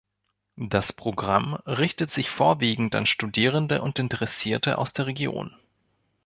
Das Programm richtet sich vorwiegend an Studierende und Interessierte aus der Region.